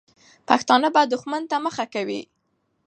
پښتانه به دښمن ته مخه کوي.